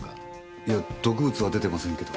いや毒物は出てませんけど。